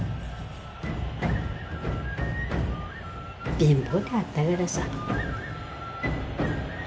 貧乏だったからさ。